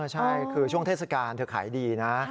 ใช่คือช่วงเทศกาลเธอขายดีนะ